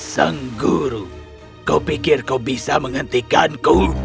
sang guru kau pikir kau bisa menghentikanku